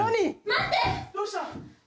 待ってどうした？